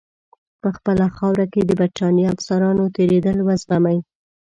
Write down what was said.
په خپله خاوره کې د برټانیې افسرانو تېرېدل وزغمي.